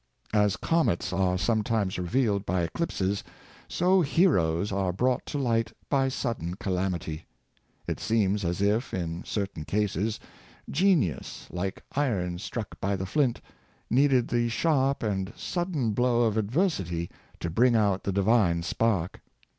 As comets are sometimes revealed by eclipses, so heroes are brought to light by sudden calamity. It seems as if, in certain cases, genius, like Poverty a Stimulus, 625 iron struck by the flint, needed the sharp and sudden blow of adversity to bring out the divine spark.